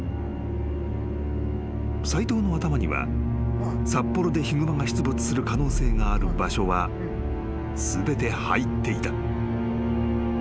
［斎藤の頭には札幌でヒグマが出没する可能性がある場所は全て入っていた］